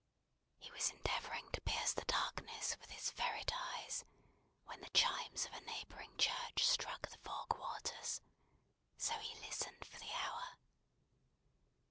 He was endeavouring to pierce the darkness with his ferret eyes, when the chimes of a neighbouring church struck the four quarters. So he listened for the hour.